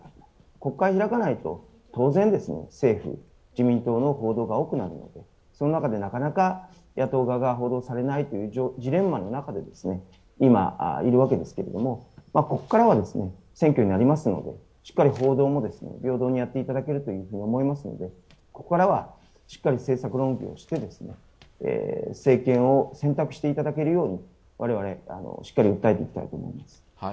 国会を開かないと、当然、政府、自民党の報道が多くなるのでその中でなかなか野党側が報道されないというジレンマの中でいるわけですけどここからは選挙になりますので、しっかり報道も平等にやっていただけるというふうに思いますのでここからはしっかり政策論議をして政権を選択していただけるようにわれわれ、しっかり訴えていきたいと思います。